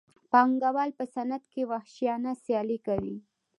پانګوال په صنعت کې وحشیانه سیالي کوي